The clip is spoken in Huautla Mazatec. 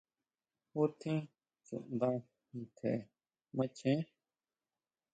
¿Jutjín chuʼnda ntje kuachen?